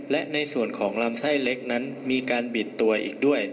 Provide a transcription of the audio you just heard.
และในส่วนของลำไส้เล็กนั้นมีการบิดตัวอีกด้วย